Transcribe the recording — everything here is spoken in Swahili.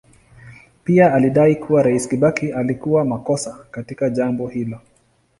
Pia alidai kuwa Rais Kibaki alikuwa makosa katika jambo hilo.